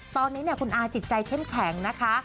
ตอนนี้คุณอาจิตใจเข้มแข็งนะคะ